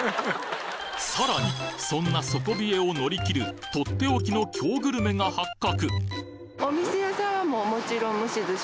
さらにそんな底冷えを乗り切るとっておきの京グルメが発覚！